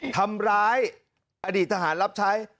ทำร้ายอดีตทหารรับใช้